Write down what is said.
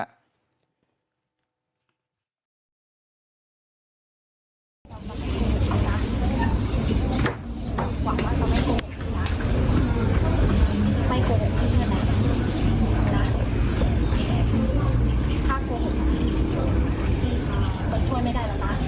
เธอเล่นไม่ไหวนะแต่พี่ก็ไม่เข้าใจแล้วนะ